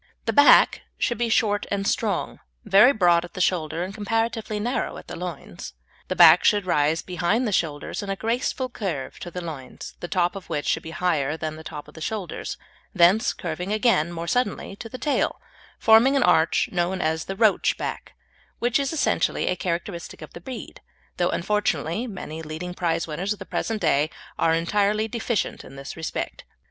The back should be short and strong, very broad at the shoulder and comparatively narrow at the loins. The back should rise behind the shoulders in a graceful curve to the loins, the top of which should be higher than the top of the shoulders, thence curving again more suddenly to the tail, forming an arch known as the "roach" back, which is essentially a characteristic of the breed, though, unfortunately, many leading prize winners of the present day are entirely deficient in this respect.